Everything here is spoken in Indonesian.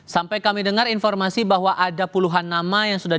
sampai kami dengar informasi bahwa ada puluhan nama yang sudah